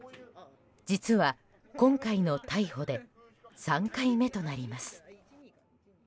実は、今回の逮捕で３回目となります。